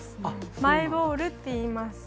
マイボールっていいます。